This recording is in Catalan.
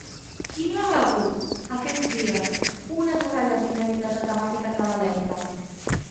Qui no ha rebut, aquests dies, unes ratlles inèdites de temàtica nadalenca?